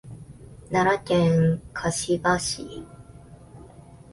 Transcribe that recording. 奈良県香芝市